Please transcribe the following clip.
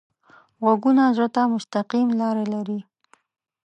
غږونه زړه ته مستقیم لاره لري